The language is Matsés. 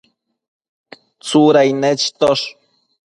Tsudain nechitosh